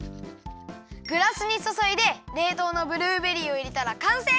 グラスにそそいでれいとうのブルーベリーをいれたらかんせい！